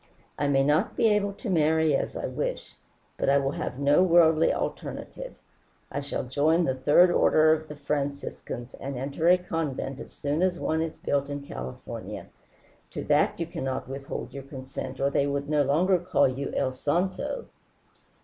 I may not be able to marry as I wish, but I will have no worldly alternative. I shall join the Third Order of the Franciscans, and enter a convent as soon as one is built in California. To that you cannot withhold your consent, or they no longer would call you El santo."